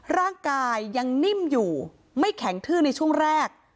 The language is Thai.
ร่างกายยังนิ่มอยู่ไม่แข็งทื้อในช่วงแรก